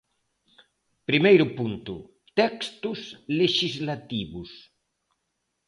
Primeiro punto, textos lexislativos.